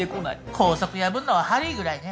校則破るのはハリーぐらいね。